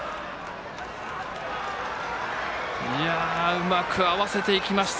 うまく合わせていきました